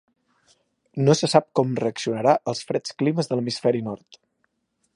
No se sap com reaccionarà als freds climes de l'hemisferi nord.